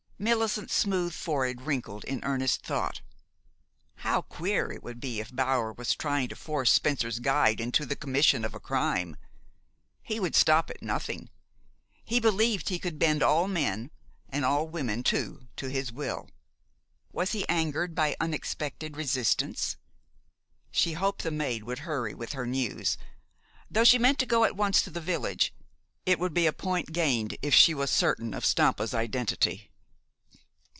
Millicent's smooth forehead wrinkled in earnest thought. How queer it would be if Bower was trying to force Spencer's guide into the commission of a crime! He would stop at nothing. He believed he could bend all men, and all women too, to his will. Was he angered by unexpected resistance? She hoped the maid would hurry with her news. Though she meant to go at once to the village, it would be a point gained if she was certain of Stampa's identity.